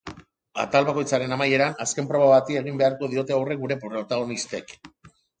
Atal bakoitzaren amaieran, azken proba bati egin beharko diote aurre gure protagonistek.